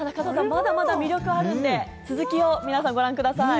まだまだ魅力あるんで、続きを皆さん、ご覧ください。